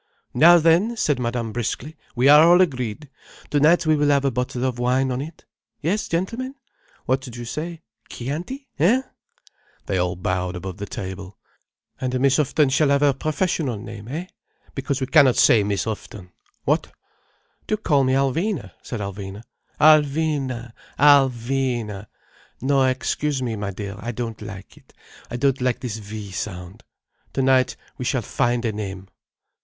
"Now then," said Madame briskly, "we are all agreed. Tonight we will have a bottle of wine on it. Yes, gentlemen? What d'you say? Chianti—hein?" They all bowed above the table. "And Miss Houghton shall have her professional name, eh? Because we cannot say Miss Houghton—what?" "Do call me Alvina," said Alvina. "Alvina—Al vy na! No, excuse me, my dear, I don't like it. I don't like this 'vy' sound. Tonight we shall find a name."